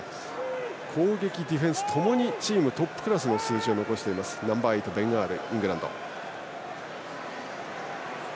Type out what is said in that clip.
攻撃、ディフェンスともにチームトップクラスの数字を残しているナンバーエイトのベン・アール。